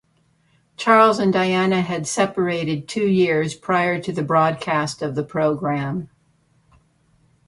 Charles and Diana had separated two years prior to the broadcast of the programme.